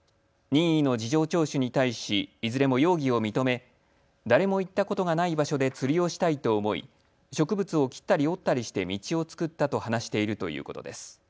任意の事情聴取に対しいずれも容疑を認め誰も行ったことがない場所で釣りをしたいと思い植物を切ったり折ったりして道を作ったと話しているということです。